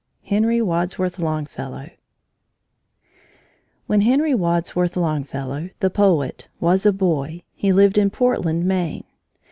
HENRY WADSWORTH LONGFELLOW When Henry Wadsworth Longfellow, the poet, was a boy, he lived in Portland, Maine.